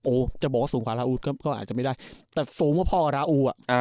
จะบอกว่าสูงกว่าลาอูก็อาจจะไม่ได้แต่สูงกว่าพ่อกับราอูอ่ะ